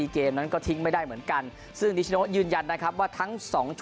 เกมนั้นก็ทิ้งไม่ได้เหมือนกันซึ่งนิชโนยืนยันนะครับว่าทั้ง๒